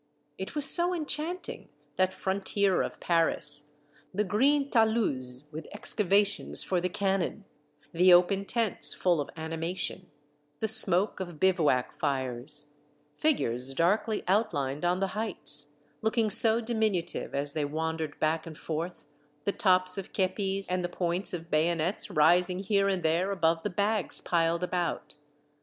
It was so enchanting, that frontier of Paris, the green taluses with excavations for the cannon, the open tents full of animation, the smoke of bivouac fires, figures darkly outlined on the heights, — looking so diminutive as they wan dered back and forth, — the tops of kepis, and the points of bayonets rising here and there above the bags piled about.